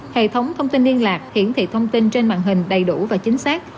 hệ thống thông tin liên lạc hiển thị thông tin trên màn hình đầy đủ và chính xác